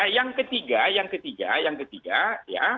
yang ketiga yang ketiga yang ketiga ya